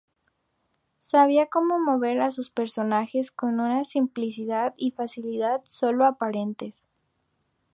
Sabía cómo mover a sus personajes con una simplicidad y facilidad solo aparentes.